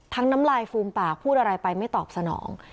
น้ำลายฟูมปากพูดอะไรไปไม่ตอบสนอง